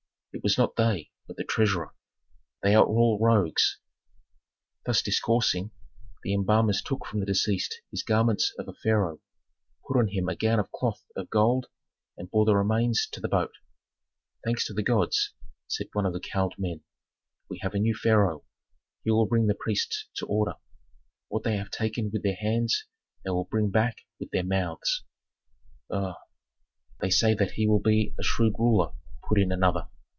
"It was not they, but the treasurer." "They are all rogues." Thus discoursing, the embalmers took from the deceased his garments of a pharaoh, put on him a gown of cloth of gold and bore the remains to the boat. "Thanks to the gods," said one of the cowled men, "we have a new pharaoh. He will bring the priests to order. What they have taken with their hands they will bring back with their mouths." "Uuu! they say that he will be a shrewd ruler," put in another.